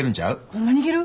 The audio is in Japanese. ホンマにいける？